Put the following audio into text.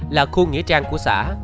là khu nghĩa trang của xã